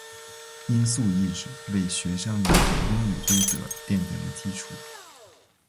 音素意识为学生理解英语规则奠定了基础。